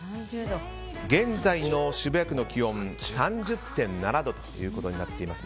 現在の渋谷区の気温、３０．７度ということになっています。